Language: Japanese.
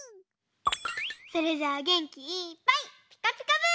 それじゃあげんきいっぱい「ピカピカブ！」。